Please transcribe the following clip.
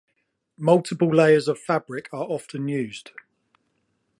Multiple layers of fabric are often used.